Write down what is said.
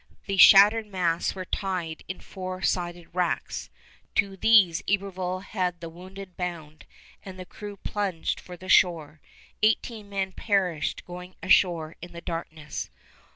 The shattered masts were tied in four sided racks. To these Iberville had the wounded bound, and the crew plunged for the shore. Eighteen men perished going ashore in the darkness.